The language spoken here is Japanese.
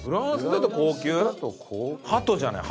ハトじゃない？